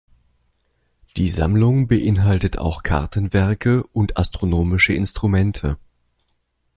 Die Sammlung beinhaltet auch Kartenwerke und astronomische Instrumente.